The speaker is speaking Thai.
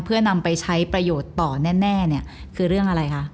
เพื่อนำไปใช้ประโยชน์ต่อแน่เนี่ยคือเรื่องอะไรคะ